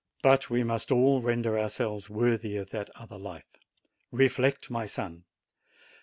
But we must all render ourselves worthy of that other life. Reflect, my son.